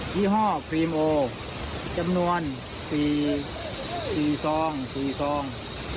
ยี่ห้อครีมโอจำนวน๔ซอง